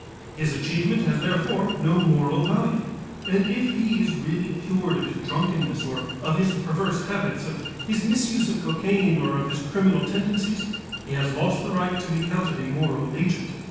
His achievement has therefore no moral value, and if he is really cured of his drunkenness or of his perverse habits, of his misuse of cocaine or of his criminal tendencies, he has lost the right to be counted a moral agent.